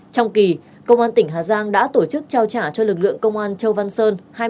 trong kỳ công an tỉnh hà giang đã tổ chức trao trả cho lực lượng công an châu văn sơn